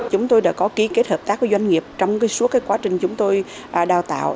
chúng tôi đã có ký kết hợp tác với doanh nghiệp trong suốt quá trình chúng tôi đào tạo